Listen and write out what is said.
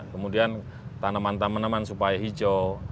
kemudian tanaman tanaman supaya hijau